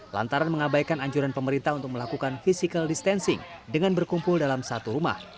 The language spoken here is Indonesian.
lantaran mengabaikan anjuran pemerintah untuk melakukan physical distancing dengan berkumpul dalam satu rumah